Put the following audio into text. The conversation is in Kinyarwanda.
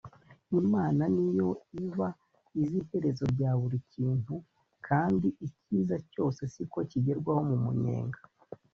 Imana niyo iba izi iherezo rya buri kintu kandi icyiza cyose siko kigerwaho mu munyenga